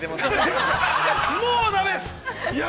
◆いや、もうだめです